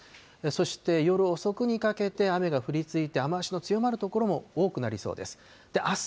そして夜遅くにかけて、雨が降り続いて、雨足の強まる所も多くなりそうです。